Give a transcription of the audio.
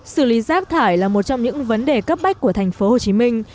xử lý rác thải là một trong những vấn đề cấp bách của thành phố hồ chí minh